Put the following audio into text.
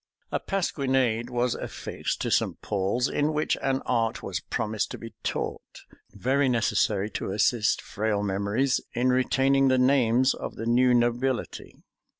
A pasquinade was affixed to St. Paul's, in which an art was promised to be taught, very necessary to assist frail memories in retaining the names of the new nobility.